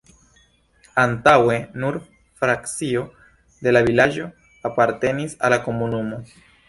Antaŭe nur frakcio de la vilaĝo apartenis al la komunumo.